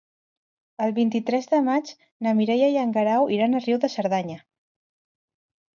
El vint-i-tres de maig na Mireia i en Guerau iran a Riu de Cerdanya.